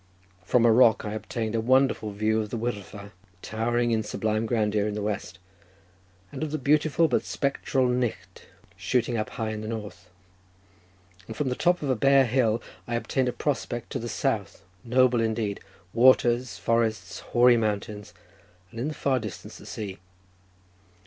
From a rock I obtained a wonderful view of the Wyddfa towering in sublime grandeur in the west, and of the beautiful, but spectral, Knicht shooting up high in the north; and from the top of a bare hill I obtained a prospect to the south, noble indeed—waters, forests, hoary mountains, and in the far distance the sea.